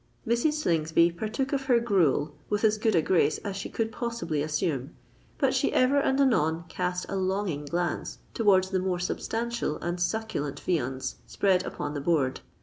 Mrs. Slingsby partook of her gruel with as good a grace as she could possibly assume; but she ever and anon cast a longing glance towards the more substantial and succulent viands spread upon the board.